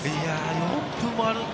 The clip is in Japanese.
４分もあるんだ。